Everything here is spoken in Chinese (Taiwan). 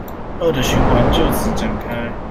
惡的循環就此展開